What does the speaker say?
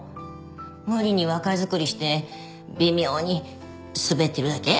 無理に若作りして微妙にスベってるだけ。